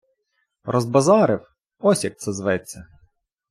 - Розбазарив - ось як це зветься!